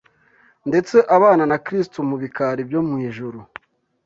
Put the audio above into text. ndetse abana na Kristo mu bikari byo mu ijuru.